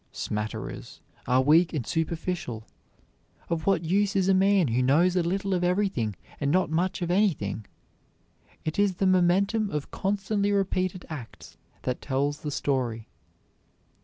"Smatterers" are weak and superficial. Of what use is a man who knows a little of everything and not much of anything? It is the momentum of constantly repeated acts that tells the story.